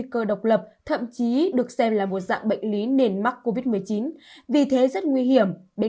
cơ độc lập thậm chí được xem là một dạng bệnh lý nền mắc covid một mươi chín vì thế rất nguy hiểm đến